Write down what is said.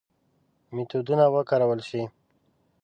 میتودونه وکارول شي.